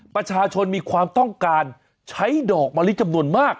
ประชาชนมีความต้องการใช้ดอกมะลิจำนวนมาก